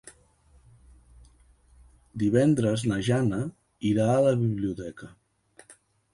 Divendres na Jana irà a la biblioteca.